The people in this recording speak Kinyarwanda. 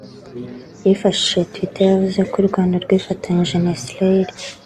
yifashishije Twitter yavuze ko u Rwanda rwifatanyije na Israel